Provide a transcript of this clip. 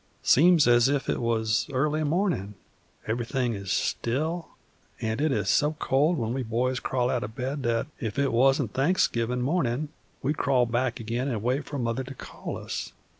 Seems as if it wuz early mornin'; everything is still, and it is so cold when we boys crawl out o' bed that, if it wuzn't Thanksgivin' mornin', we'd crawl back again an' wait for Mother to call us.